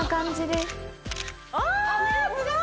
すごい！